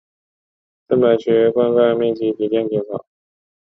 郑白渠灌溉面积逐渐减少。